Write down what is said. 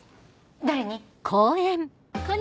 誰に？